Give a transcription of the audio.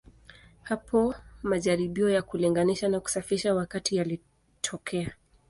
Hapo majaribio ya kulinganisha na kusafisha wakati yalitokea.